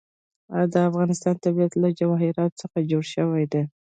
د افغانستان طبیعت له جواهرات څخه جوړ شوی دی.